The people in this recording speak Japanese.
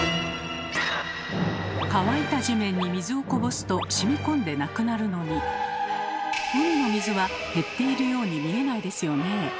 乾いた地面に水をこぼすとしみこんでなくなるのに海の水は減っているように見えないですよねえ。